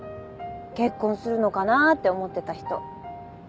結婚するのかなって思ってた人。